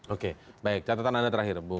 oke baik catatan anda terakhir